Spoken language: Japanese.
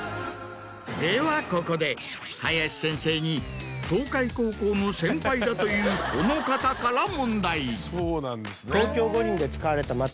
ではここで林先生に東海高校の先輩だというこの方から問題。